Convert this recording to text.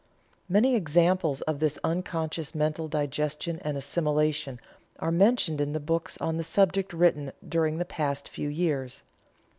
Many examples of this unconscious mental digestion and assimilation are mentioned in the books on the subject written during the past few years.